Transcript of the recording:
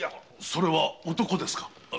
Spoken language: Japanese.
それは男ですか？